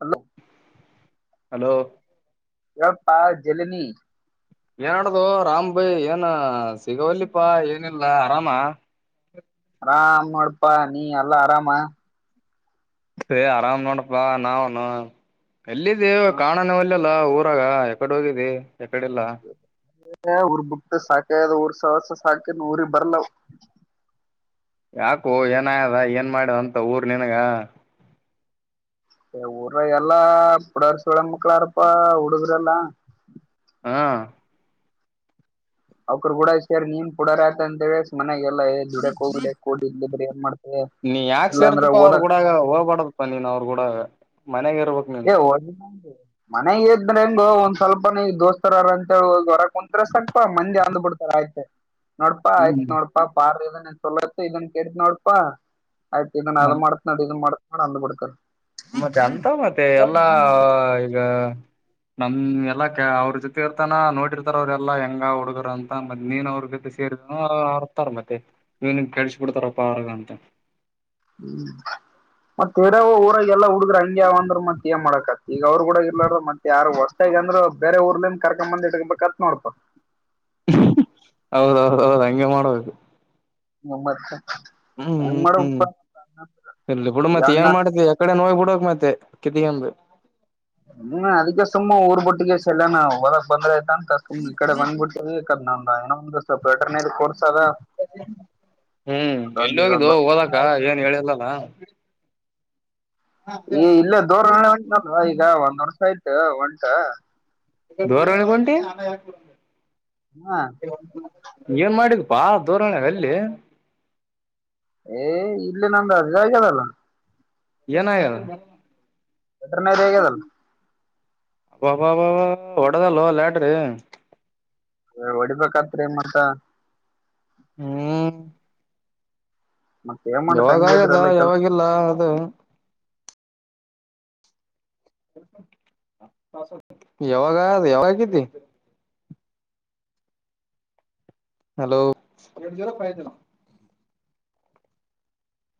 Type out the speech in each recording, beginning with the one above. hello hello ಯ ಪಾ ಜಲ ನೀಿ ಏನಡ್ದು ರಾಮ್ ಭೈ ಏನ ಸಿಗವಲ್ಲಿಪಾ ಏನಿಲ್ಲಾ ಆರಾಮ ಹ ಹಾ ಆಮ್ಮಡ್ಪಾ ನೀ ಎಲ್ಲಾ ಆರಾಮ ಸೇ ಆರಾಮ್ ನೋಡಪ್ಪ ನಾವನು ಎಲ್ಲಿದ್ದೇ ಕಾಣಾನ ಒಲ್ಲಲ್ಲ ಊರ್ ಗ ಎಕಡೆ ಹೋಗಿದೆ ಉರ್ಬುಕ್ತ ಸಾಕಾಯ ವರ್ಸರ್ಸ ಹಾಕನ್ ಊರಿ ಬರ್ಲ ಯಾಕೋ ಏನಯದ ಏನ್ ಮಾಡಿದಂತ ಊರ್ ನನ್ಗ ಊರ ಎಲ್ಲಾ ಪುಡರ್ಸ ಮಕ್ಳಾರಪ್ಪ ಹುಡುಗ್ರಲ್ಲ ಹಾ ಅವ್ರರು ಕೂಡರ್ ನೀನ್ ಕೂಡಾರ ಆಯತ ಅಂತ ಹೇಳ ಮನೆಾಗಲ್ಲ ದುಡಕ್ ಹೋಗ್ ಕೊಡ್ರ ಏನ್ ಮಾಡ್ತ ನೀ ಯಾಕ ಸೇರ್ತಿಪ್ಪಾ ಅವ್ರ ಕೂಡ ಹೋಗ್ಬಾಡದ ಪ ನೀನು ಅವ್ರು ಕೂಡ ಏ ಮನೆಗ್ ಎದ್ರ ಹೆಂಗ ಒಂದ್ ಸ್ವಲ್ಪನ ದೋಸ್ತರರಂತ ಹೊರ ಒಂಂದರ ಸ್ವಲ್ಪ ಮಂದಿ ಅಂದ್ಬಿಡ್ತಾರ ಆಯ್ತೆ ನೋಡ್ಪಾ ಆಯ್ತ್ ಹ್ಮ್ ನೋಡ್ಪಾ ಪಾರ್ ಇದನ್ ಚಲೋಯ್ತ ಇದನ್ ಕೇತ ನೋಡ್ಪಾ ಆಯ್ತು ಇದನ್ನ ಅದು ಮತ್ ಮಾಡತ ನ ಇದನ್ ಮಾಡತ ನ ಅಂದ್ಬಡ್ಕಾರೆ ಮತ್ತೆ ಅಂತ ಮತ್ತೆ ಎಲ್ಲಾ ಈಗ ನಮ್ ಎಲ್ಲಾ ಅವ್ರ ಜೊತೆ ಇರ್ತಾನ ನೋಡಿರ್ತಾರ ಅವ್ರ ಎಲ್ಲಾ ಹೆಂಗ ಹುಡುಗರು ಅಂತ ಮ್ ನೀನ್ ಅವ್ರ ಗೊತೆ ಸೇ ಆರ್ತಾರ ಮತ್ತೆ ಇವನ್ ಕೆಳ್ಸ ಬಿಡ್ತಾರಪ್ಪ ಆರಗ ಅಂತ ಹ್ಮ ತೇರ ಎಲ್ಲ ಹುಗ್ರ ಹಂಗೆ ಯಾವ ಅ್ರ ಮತ್ತೆ ಏ ಮಾಡಕತ್ತೆ ಈಗ ಅವ್ ಕಡ ಇರ್ಲಾರ್ರ ಮತ್ತ ಯಾರ ಹೊಸ್ಷಾಗಿ ಅಂದ್ರೆ ಬೇರೆ ಊರ್ಲ ಕರಕ ಬಂದ ಎಕ ಕತ್ನೋರ್ಪ ಹೌದೌದೌದು ಹಂಗೆ ಮಾಡ್ಬೇಕು ನಮ್ಮತ್ ಹ್ಮ್ ಹ್ಮ್ ಇಲ್ಲಿ ಬಿುಡ ಮತ್ತ ಅಣ್ಣ ಏನ್ ಮಾಡಿದ ಯಕಡೆ ನೋೋಗ್ ಬಿುಡ ಮತ್ತೆ ಕಟ್ಟಗಂದು ಹ್ಮ ಅದಕ್ಕೆ ಸುಮ್ಮ ಊರ್ ಬುಟ್ಟಿಗೆ ಸಲ್ಲಾನ ಹೊದಕ್ ಬಂದ್ರ ಂತ ಸು್ ಈ ಕಡೆ ಬಂದ್ಬಿಟ್ಟು ಬೇಕದ್ ನ ಏನೊ ಒಂದು ಸ್ವಲ್ಪ್ ವೆಟರ್ನರಿ ಕೊರ್ಶ ಅದಾ ಹ್ಮ್ ಎಲ್ಲಿ ಹೋಗಿದ್ದು ಹೋದಕ್ಕ ಏನ್ ಹೇಳಿಿಲ್ಲಲ್ಲ ಈ ಇಲ್ಲೇ ದೋರಳ್ಳೆ ಉಂಟನಲ್ ಈಗ ಒಂದ್ ವರ್ಷ ಆಯ್ತು ಒಂಟ ಜೋರೊಳಗ್ ಹೊಂತಿ ಹಾ ಏನ್ ಮಾಡಿಕಪ್ಪಾ ದೂಾಣೆ ಎಲ್ಲಿ ಏ್ ಇಲ್ಲೇ ನಮ್ದ ಅ ಇದಾಗ್ಯದಲ್ಲ ಏನ ಆಗ್ಯದ ವೆಟರ್ನರಿ ಆಗ್ಯದಲ್ ಅಬ್ಬಬಬ್ಬ ಹೊಡದಲ್ವ ಲ್ಯಡ್ರಿ ಹೊಡಿಬೇಕತ್ರಿ ಮತ್ತ ಹ್ಮ ಮತ್ತೆ ಏನ್ ಮಾಡ ಯಾವಾಗ ಆಗದ ತಂಗಿದ್ರೆಲ್ಲ ಕೆಲ್ಸ ಯಾವಾಗಿಲ್ಲ ಅದು ಯಾವಾಗಾಗ ಯಾವ ಕತಿ ಹಲೋ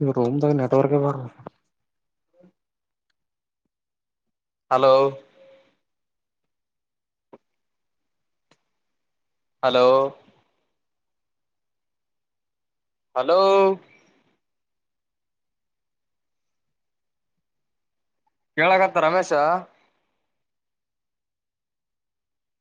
ಇದ ರೋಮ್ ದಾಗ ನೆಟ್ವರ್ಕ ಬರಲ್ ಹಲೋ ಹಲೋ ಹಲೋ ಕೇಳಕಂತ ರಮೇಶ